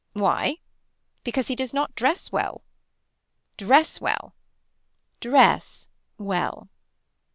Why because he does not dress well. Dress well dress well.